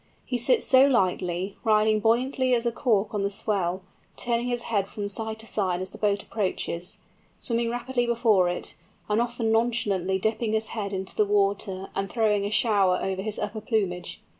He sits so lightly, riding buoyantly as a cork on the swell, turning his head from side to side as the boat approaches, swimming rapidly before it, and often nonchalantly dipping his head into the water and throwing a shower over his upper plumage.